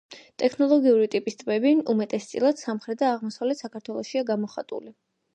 ტექტონიკური ტიპის ტბები უმეტესწილად სამხრეთ და აღმოსავლეთ საქართველოშია გამოხატული.